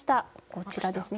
こちらですね。